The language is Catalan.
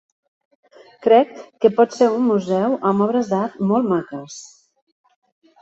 Crec que pot ser un museu amb obres d"art molt maques.